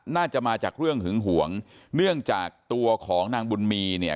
น่าจะมาจากเรื่องหึงหวงเนื่องจากตัวของนางบุญมีเนี่ย